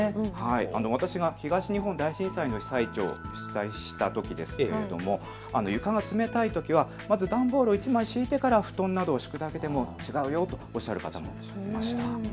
私が東日本大震災の被災地を取材した際に床が冷たいときはまず段ボールを１枚敷いた上に布団や寝袋を敷くだけでも違うとおっしゃる方もいました。